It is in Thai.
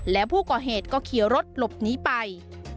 และผู้ก่อเหตุก็ขี่รถหลบหนีไป